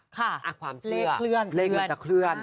ค่ะเลขเคลื่อนเลขมันจะเคลื่อน